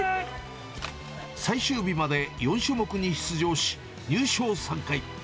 最終日まで、４種目に出場し、優勝３回。